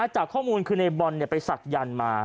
จากข้อมูลคือในบอลไปศักยันต์มา